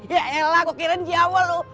yaelah kok kirain jawa lu